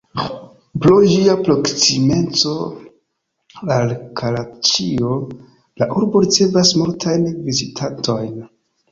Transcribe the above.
Pro ĝia proksimeco al Karaĉio, la urbo ricevas multajn vizitantojn.